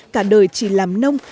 cả đời chỉ làm nông